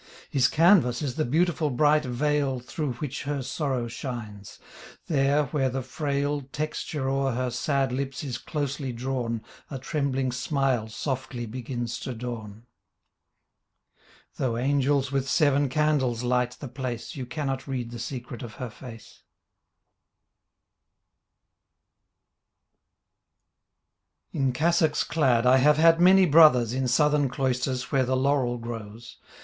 His canvas is the beautiful bright veil Through which her sorrow shines. There where the frail Texture o'er her sad lips is closely drawn A trembling smile softly begins to dawn ... Though angels with seven candles light the place You cannot read the secret of her face. 54 The Book of a Monies Life In cassocks clad I have had many brothers In southern cloisters where the laurel grows.